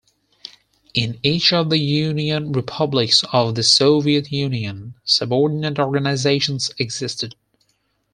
In each of the union republics of the Soviet Union, subordinate organisations existed.